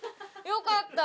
よかった。